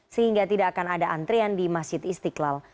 sehingga tidak akan ada antrian di masjid istiqlal